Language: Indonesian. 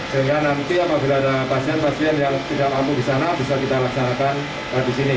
sehingga nanti apabila ada pasien pasien yang tidak mampu di sana bisa kita laksanakan di sini